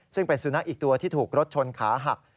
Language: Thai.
ซึ่งเป็นสุนัขอีกตัวที่ถูกรถชนขาหัก